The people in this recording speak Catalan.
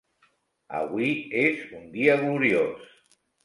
Avui és un dia gloriós.